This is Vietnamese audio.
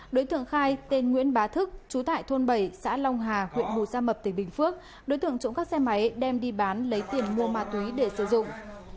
đối tượng khai tên nguyễn bá thức trú tại thôn bảy xã long hà huyện bù sa mập tỉnh bình phước đối tượng trộm các xe máy đem đi bán lấy tiền mua mà túi để sử dụng